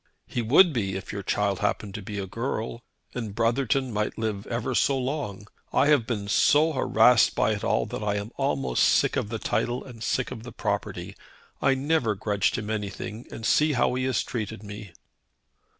"He would be if your child happened to be a girl. And Brotherton might live ever so long. I have been so harassed by it all that I am almost sick of the title and sick of the property. I never grudged him anything, and see how he has treated me."